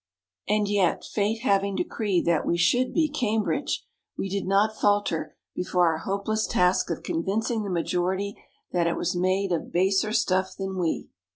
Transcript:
And yet, Fate having decreed that we should be Cambridge, we did not falter before our hopeless task of convincing the majority that it was made of baser stuff than we.